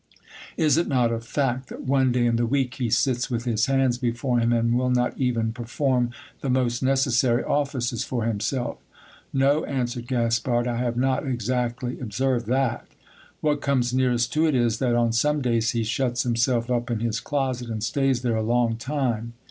Is it not a fact, that one day in the week he sits with his hands before him, and will not even per form the most necessary offices for himself? No, answered Gaspard, I have not exactly observed that What comes nearest to it is that on some days he shuts himself up in his closet, and stays there a long time.